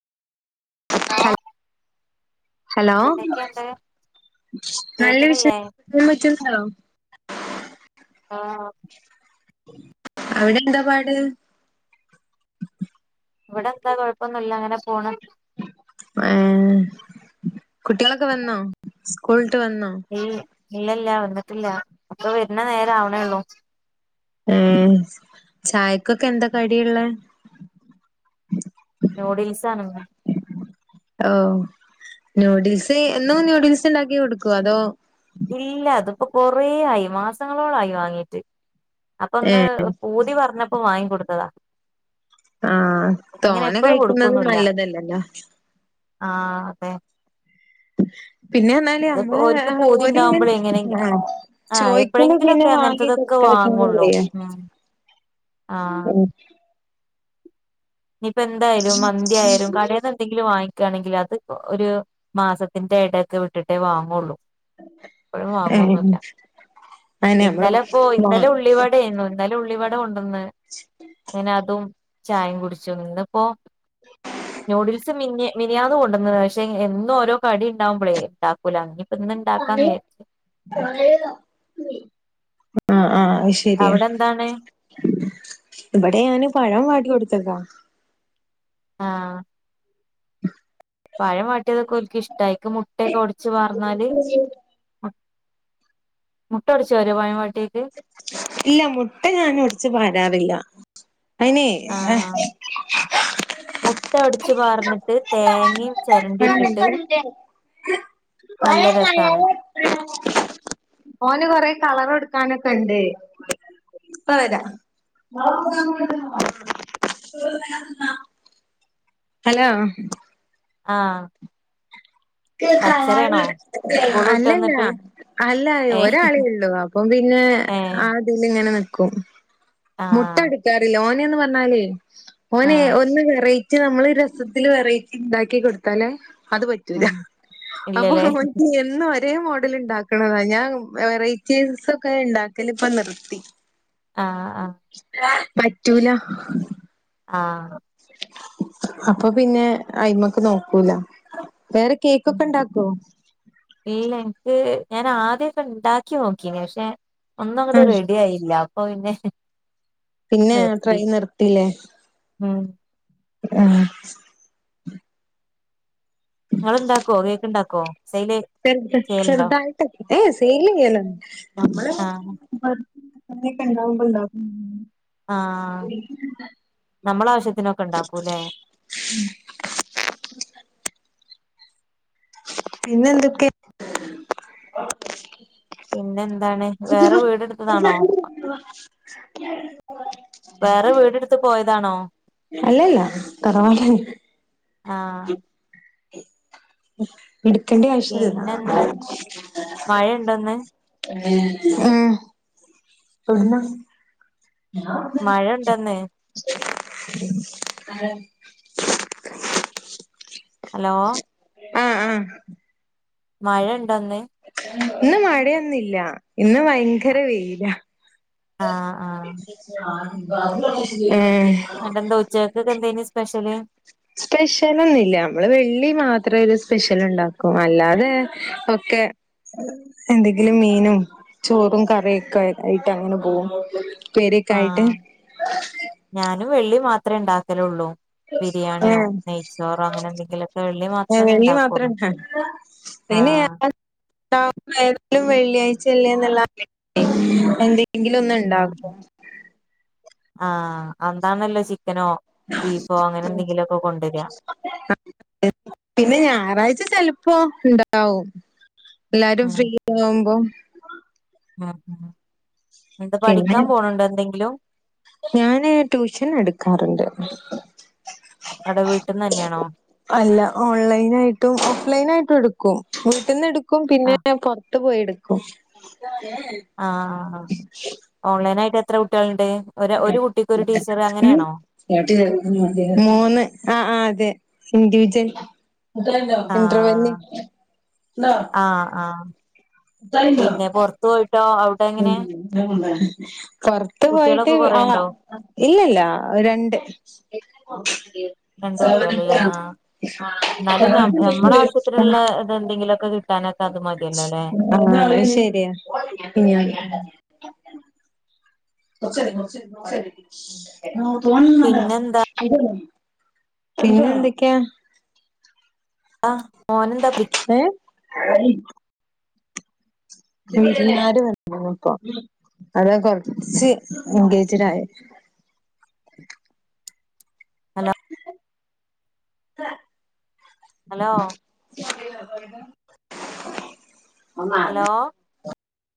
ആ ഹൽ ഹലോ നല്ല കേക്കുന്നില്ലേ വിശേഷം കേൾക്കാൻപറ്റുന്നുണ്ടോ ആ അവിടെ എന്താ പാട് ഇവിടെ എന്താ കൊഴപ്പൊന്നുല്ല അങ്ങനെ പോണു ആ കുട്ടികളൊക്കെ വന്നോ സ്കൂൾ ഉം ഇല്ലല്ല ഇല്ല വന്നിട്ടില്ല അപ്പൊ വരുന്ന നേര ആവണേള്ളൂ. ഉം ചായക്കൊക്കെ എന്തൊ കടിയുള്ളെ ന്യൂഡിൽസാണ് ഇന്ന് ഓ ന്യൂഡിൽസ് എന്നും ന്യൂഡിൽസ് ഉണ്ടാക്കി കൊടുക്കുവൊ അതോ ഇല്ല അത് ഇപ്പൊ കൊറേ ആയി മാസങ്ങളോളായി വാങ്ങീട്ട്. അപ്പൊ ഒന്ന് ഏഹ് പൂതി പറഞ്ഞപ്പോ വാങ്ങിക്കൊടുത്ത- കൊടുത്തതാ. ആ അങ്ങനെ തോനെ എപ്പഴും കഴിക്കുന്നത് നല്ലതല്ലല്ലോ ആ അതെ പിന്നെ ന്നാല് അത് നമ്മള് ഓര്ക്ക് പൂതി ഒരിങ്ങനെ ഉണ്ടാവുമ്പോഴേ എങ്ങനെ ആഹ് ചോയ്ക്കുമ്പൊ പിന്നെ എപ്പോഴെങ്കിലൊക്കെ അങ്ങനത്തതൊക്കെ വാങ്ങികൊടുക്കാതെ വാങ്ങുള്ളൂ ഇരിക്കുമ്പോളേ ഉം ആഹ് ഇനിയിപ്പ എന്തായാലും മന്തിയാലും കടെന്ന് എന്തെങ്കിലും വാങ്ങിക്കുകയാണെങ്കിൽ അത് ഒരു മാസത്തിന്റെ ഇടക്കെ വിട്ടിട്ടേ വാങ്ങുള്ളൂ. എപ്പോഴും ഏഹ് വാങ്ങോന്നുവില്ല അങ്ങനെ നമ്മള് ഇന്നലെ ഇപ്പോ ഇന്നലെ ഉള്ളിവാടയാരുന്നു ഇന്നലെ ഉള്ളവട കൊ തിന്ന് അങ്ങനെ അതും ചായയും കുടിച്ചു നിന്ന് ഇന്നിപ്പോ നൂഡിൽസ് മിനിഞ്ഞാന്ന് കൊണ്ടുവന്നുത് പക്ഷെ എന്നും ഓരോ കടി ഉണ്ടാവുമ്പോളേ ഉാക്കൂലങ്ങി അണ പ [unintelligible] ആ ആ അത് ശരിയാ അവിടെ എന്താണ് ഇവിടെ ഞാന് പഴം വാട്ടി കൊടു ത്തക്ക ആ [inaudible] പഴം വാട്ടിയതൊക്കെ ഒല്ക്ക് ഇഷ് മുട്ടായിക്ക് മുട്ടൊക്കെ ഒടിച്ച് വർന്നാല് മു മുട്ട ഉടച്ചു വരെ പയം വാ ഇല്ല മുട്ട ഞാൻ ഒടച്ച് പരാറില്ല ആഹ് മുട്ട ഒടച്ചു [unintelligible] തേങ്ങയും ചെരണ്ടിട്ടിട്ട് നല്ല രസാണ് ഓന് കൊറെ [unintelligible] ഇപ്പ വരാം ഹലോ ആഹ് കച്ചറയാണോ സ്കൂള് വിട്ട് അല്ലല്ല വന്നിട്ട് അല്ല ഏഹ് ഒരാളെള്ളു അപ്പം പിന്നെ ഏഹ് ആതില്ങ്ങനെ നി കും ആഹ് മുട്ടട്ക്കാറില്ല ഓൻ പർഞ്ഞാലേ ഓനെ ആഹ് ഒന്ന് വെറൈ റ്റ് നമ്മള് രസത്തില് വെറൈറ്റിണ്ടാക്കി കൊട്ത്താലേ അത് പറ്റൂല ഉം. അപ്പൊ ഇല്ലല്ലേ? ഓൻക്ക് എന്നു ഒരേ മോഡല്ണ്ടാക്ക്ണതാ ഞാൻ വെറൈറ്റീസൊക്കെ ഇണ്ടാക്കല് പ്പം നിർത്തി ആഹ് ആഹ് പറ്റൂല ആഹ് അപ്പൊ പിന്നെ അയിമക്ക് നോക്കൂല വേറെ ഉം. കേക്കൊക്കെണ്ടാക്കോ? ഇല്ല എനിക്ക് ഞാൻ ആദ്യക്കെണ്ടാക്കി നോക്കിനി പക്ഷെ ഒന്നും അങ്ങട് ഉം റെഡി ആയില്ല [unintelligible] പിന്നെ നിർത്തി. ട്രൈയിൻ നിർത്തിയില്ലേ ഉം ആഹ് നിങ്ങളിണ്ടാക്കുവോ കേക്കുണ്ടാക്കുവോ ചെറു ചെറുതായിട്ടൊക്കെ ഏഹ് സെയില് ചെയ്യലൊന്നു നമ്മള് ആഹ് [unintelligible] [unintelligible] ഇണ്ടാക്കും ആഹ് നമ്മളാവശ്യത്തിനൊക്കെ ഇണ്ടാക്കൂല്ലേ പിന്നെന്തൊക്കെ പിന്നെന്താണ് വേറെ വീടെടുത്തതാണോ? വേറെ വീടെടുത്ത് പോയതാണോ അല്ലല്ല തറവാട്ടിലാ ആഹ്. ഉം എടുക്കേണ്ട ആവശ്യല്ല പിന്നെന്താ? മഴയുണ്ടോന്ന്? ഉം [unintelligible] മഴ ഉണ്ടോ ഇന്ന്? അ ഹലോ ആ ആ മഴ ഉണ്ടോ ഇന്ന്? ഇന്ന് മഴയൊന്നില്ല, ഇന്ന് ഭയങ്കര വെയിലാ. ആ ആ [unintelligible] അവിടെന്താ ഉച്ചക്കൊക്കെ എന്തേന് സ്പെഷ്യല്? സ്പെഷ്യലൊന്നുമില്ല നമ്മള് വെള്ളി മാത്രേ ഇത് സ്പെഷ്യൽ ഉണ്ടാക്കും, അല്ലാതെ ഒക്കെ എന്തെങ്കിലും മീനും ചോറും കറിയൊക്കെ ആയിട്ട് അങ്ങനെ പോകും. ഉപ്പേരിയൊക്കായിട്ട്. ആഹ്. ഞാനും വെള്ളി മാത്രമേ ഉണ്ടാക്കലുള്ളൂ. ബിരിയാണിയോ ഏഹ് നെയ്ച്ചോറോ അങ്ങനെ എന്തെങ്കിലുമൊക്കെ വെള്ളി മാത്രമേ വെള്ളി മാത്ര ഉണ്ടാക്കുള്ളൂ [unintelligible] ആഹ് വെള്ളിയാഴ്ച അല്ലേന്നുള്ള ങ്കിലും ഒന്ന് ഉം ഉണ്ടാക്കും. ആഹ് അന്താണല്ലോ ചി ക്കനോ, ബീഫോ അങ്ങനെ എന്തെങ്കിലുമൊക്കെ കൊണ്ടുവരികാ. ഇപ്പൊ ഉണ്ടാവും. എല്ലാരും ഉം ഫ്രീ ആവുമ്പോം [unintelligible] എന്താ പിന്നെ പഠിക്കാൻ പോണുണ്ടോ എന്തെങ്കിലും ഞാന് ട്യൂഷൻ എടുക്കാറുണ്ട്. അവിടെ വീട്ടിന്ന് തന്നെയാണോ? അല്ല ഓൺലൈനായിട്ടും ഓഫ് ലൈനായിട്ടും എടുക്കും വീട്ടിൽന്ന് എടു ക്കും പിന്നെ ആഹ് പൊറ ഇട്ട് പോയി എടുക്കും. ഏഹ് ആ ഓൺലൈനായിട്ട് എത്ര കുട്ടികളുണ്ട്? ഒരു ഒരു കുട്ടിക്ക് ഒരു ടീച്ചർ അങ്ങനെയാണോ മൂന്ന് ആ ആ അതെ. ഇൻഡിവിജൽ ആഹ് ഇൻട്രവെല്ലിന്. ആഹ് ആഹ് പിന്നെ പൊറത്ത് പോയിട്ടോ അവ് ഉം പൊറത്ത് പോയിട്ട് കുട്ടികളൊക്കെ ആ കൊറെയുണ്ടോ ഇല്ലല്ല രണ്ട് ഉ രണ്ട് കുട്ടികളല്ലേ ആഹ് എന്നാലും ന നമ്മള ആവശ്യത്തിനുള്ള ഇതെന്തെങ്കിലുമൊക്കെ കിട്ടാനൊക്കെ അത് മതിയല്ലോ അല്ലെ ആ അത് ശരിയാ ഉ കൊച്ച നച്ച നച്ച ഫോണ മ പിന്നെന്താ ഇത പിന്നെ എന്തക്കെയാ ആഹ് ഓനന്താ ബ്രി അ [unintelligible] വന്നീന്നു ഇപ്പൊ അതാ കൊറച്ച് എൻഗേജ്‌ഡ് ആയേ അല ആഹ ഹലോ ഓൻ മറ ഹലോ [unintelligible]